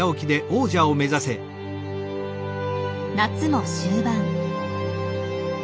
夏も終盤。